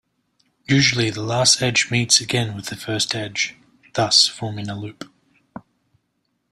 Usually the last edge meets again with the first edge, thus forming a loop.